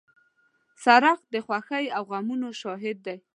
سړک د خوښۍ او غمونو شاهد دی.